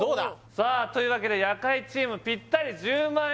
さあというわけで夜会チームぴったり１０万円